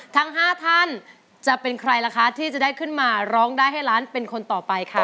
ทั้ง๕ท่านจะเป็นใครล่ะคะที่จะได้ขึ้นมาร้องได้ให้ล้านเป็นคนต่อไปค่ะ